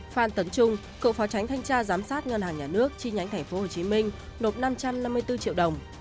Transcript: phan tấn trung cựu phó tránh thanh tra giám sát ngân hàng nhà nước chi nhánh tp hcm nộp năm trăm năm mươi bốn triệu đồng